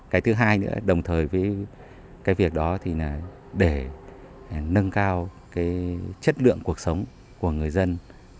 cái thứ hai nữa đồng thời với cái việc đó thì là để nâng cao cái chất lượng cuộc sống của người dân